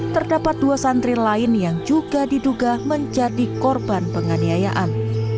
terdapat dua santri lain yang juga diduga menjadi korban penganiayaan